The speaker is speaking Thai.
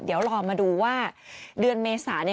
เดี๋ยวรอมาดูว่าเดือนเมษา